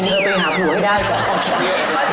เนี้ยไปหาผู้ให้ได้เลย